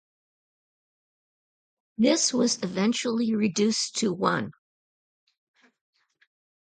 This was eventually reduced to one.